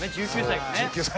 １９歳がね。